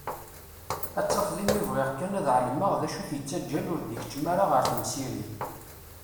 Ad tafeḍ imi bɣiɣ kan ad ɛelmeɣ d acu i t-ittaǧǧan ur d-ikeččem ara ɣer temsirin.